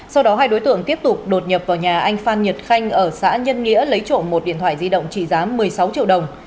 sau đó hai đối tượng tiếp tục đột nhập vào nhà anh phan nhật khanh ở xã nhân nghĩa lấy trộm một điện thoại di động trị giá một mươi sáu triệu đồng